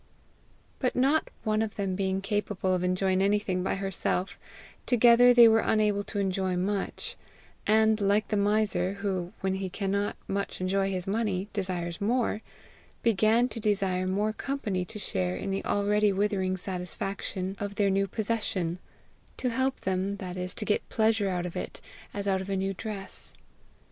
But not one of them being capable of enjoying anything by herself, together they were unable to enjoy much; and, like the miser who, when he cannot much enjoy his money, desires more, began to desire more company to share in the already withering satisfaction of their new possession to help them, that is, to get pleasure out of it, as out of a new dress.